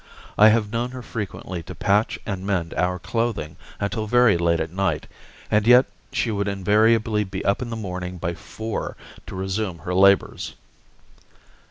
I have known her frequently to patch and mend our clothing until very late at night, and yet she would invariably be up in the morning by four to resume her labors.